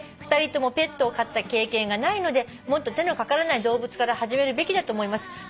「２人ともペットを飼った経験がないのでもっと手のかからない動物から始めるべきだと思います」